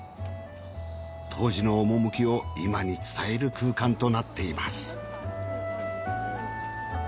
当時の趣を今に伝える空間となっています。